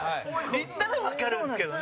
行ったら、わかるんですけどね。